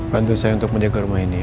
bantu saya untuk mendekat rumah ini ya